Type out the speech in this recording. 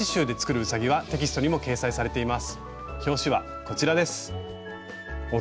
表紙はこちらです。